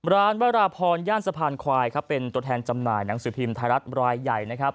วราพรย่านสะพานควายครับเป็นตัวแทนจำหน่ายหนังสือพิมพ์ไทยรัฐรายใหญ่นะครับ